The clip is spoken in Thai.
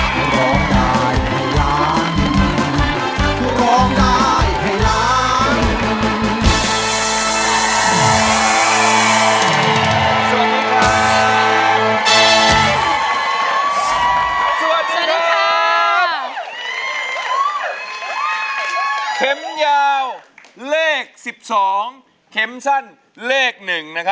เข็มยาว๑๒เข็มสั้น๑